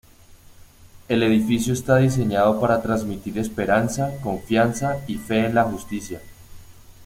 El edificio está diseñado para transmitir esperanza, confianza y fe en la justicia.